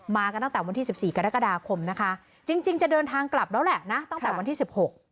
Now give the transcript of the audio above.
มากันตั้งแต่วันที่๑๔กรกฎาคมนะคะจริงจะเดินทางกลับแล้วแหละนะตั้งแต่วันที่๑๖